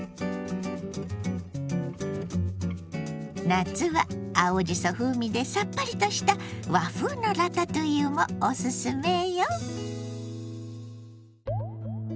夏は青じそ風味でさっぱりとした和風のラタトゥイユもオススメよ。